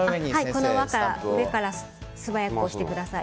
この上から素早く押してください。